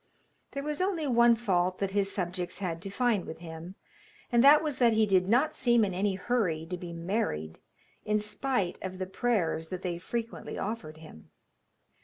There was only one fault that his subjects had to find with him, and that was that he did not seem in any hurry to be married, in spite of the prayers that they frequently offered him.